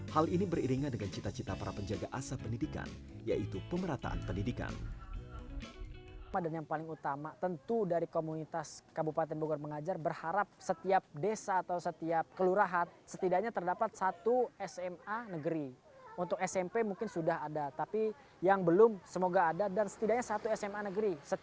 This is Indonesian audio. harapan agar komunitas berkembang